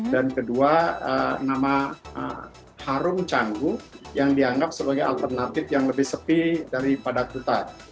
dan kedua nama harum canggu yang dianggap sebagai alternatif yang lebih sepi daripada kuta